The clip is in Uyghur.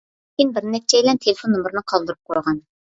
لېكىن بىر نەچچەيلەن تېلېفون نومۇرىنى قالدۇرۇپ قويغان.